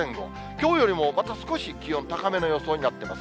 きょうよりもまた少し気温高めの予想になってます。